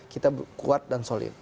kita kuat dan solid